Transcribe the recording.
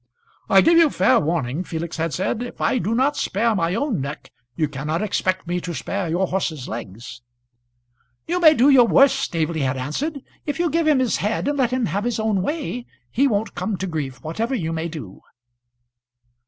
"I give you fair warning," Felix had said, "if I do not spare my own neck, you cannot expect me to spare your horse's legs." "You may do your worst," Staveley had answered. "If you give him his head, and let him have his own way, he won't come to grief, whatever you may do."